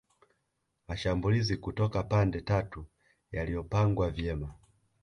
Mashambulizi kutoka pande tatu yaliyopangwa vyema